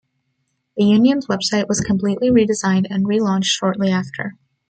The union's website was completely redesigned and relaunched shortly after.